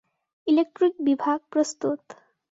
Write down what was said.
Electric বিভাগ, প্রস্তুত।